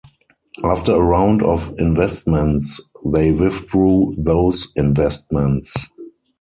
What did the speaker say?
After a round of investments, they withdrew those investments.